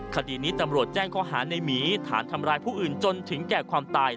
คดีนี้ตำรวจแจ้งข้อหาในหมีฐานทำร้ายผู้อื่นจนถึงแก่ความตาย